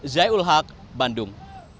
zai ul haq bandung